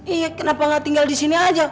iya kenapa nggak tinggal di sini aja